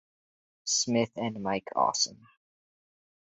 Smith and Mike Awesome.